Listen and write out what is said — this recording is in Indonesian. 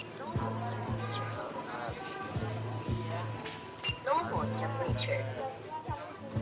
kita akan mulai dari peserta